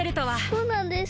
そうなんです！